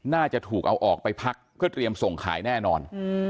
น่าจะถูกเอาออกไปพักเพื่อเตรียมส่งขายแน่นอน